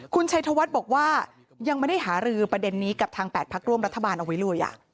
คุณชัยธวัฒน์บอกว่ายังไม่ได้หารือประเด็นนี้กับทาง๘พักร่วมรัฐบาลเอาไว้เลย